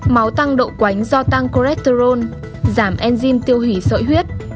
máu tăng độ quánh do tăng cholesterol giảm enzym tiêu hủy sợi huyết